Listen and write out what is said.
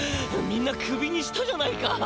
みんなクビにしたじゃないか。